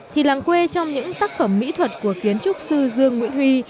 thì làng quê trong những tác phẩm mỹ thuật của kiến trúc sư dương nguyễn huy